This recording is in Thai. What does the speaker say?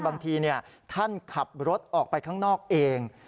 บางทีท่านขับรถออกไปข้างนอกเอง